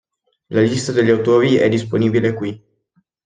La lista degli autori è disponibile qui.